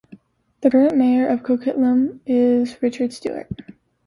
The current mayor of Coquitlam is Richard Stewart.